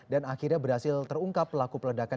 dan akhirnya berhasil terungkap pelaku peledakan